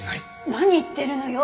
何言ってるのよ？